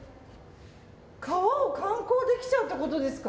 川を観光できちゃうってことですか？